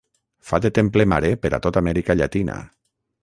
Fa de temple mare per a tot Amèrica Llatina.